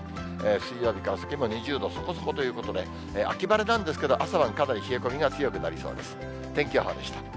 水曜日から先も２０度そこそこということで、秋晴れなんですけど、朝晩かなり冷え込みが強くなりそうです。